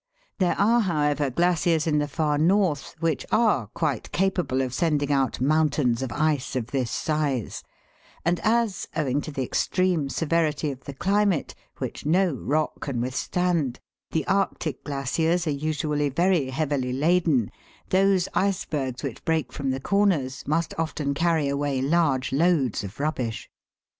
There are, however, glaciers in the Far North which are quite capable of sending out mountains of ice of this size ; and as, owing to the extreme severity of the climate, which no rock can withstand, the Arctic glaciers are usually very heavily laden, those icebergs which break from the corners, must often carry away large loads of rubbish.